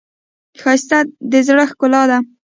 ښایست د زړه ښکلا ده